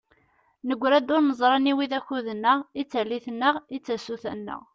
Negra-d ur neẓri aniwa i d akud-nneɣ, i d tallit-nneɣ, i d tasuta-nneɣ.